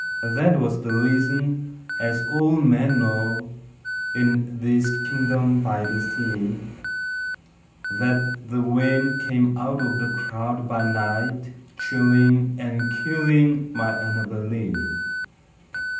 that was the reason (as all men know, In this kingdom by the sea) That the wind came out of the cloud by night, Chilling and killing my Annabel Lee.